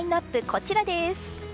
こちらです！